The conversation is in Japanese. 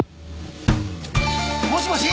もしもし？